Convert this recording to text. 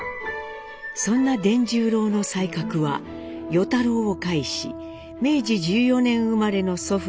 そんな傳十郎の才覚は與太郎を介し明治１４年生まれの祖父